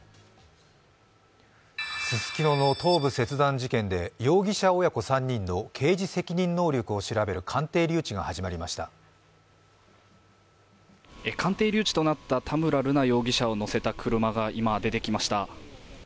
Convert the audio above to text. ススキノの頭部切断事件で、容疑者親子３人の刑事責任能力を調べる鑑定留置が始まりました鑑定留置となった田村瑠奈容疑者を乗せた車が今、出てきました。